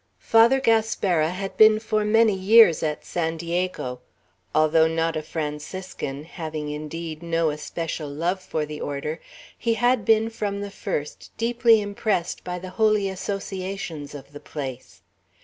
Father Gaspara had been for many years at San Diego. Although not a Franciscan, having, indeed, no especial love for the order, he had been from the first deeply impressed by the holy associations of the place.